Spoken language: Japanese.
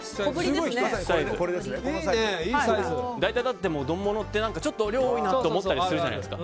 大体、丼物ってちょっと量多いなって思ったりするじゃないですか。